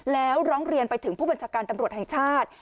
แล้วร้องเรียนไปถึงผู้บัญชาการตำรวจแห่งชาติ